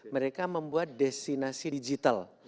mereka membuat destinasi digital